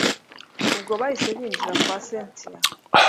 ubwo bahise binjira kwa cyntia